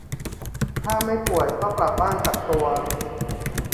ถ้าไม่ป่วยก็กลับบ้านกักตัว